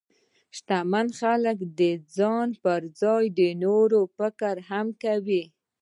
شتمن خلک د ځان پر ځای د نورو لپاره هم فکر کوي.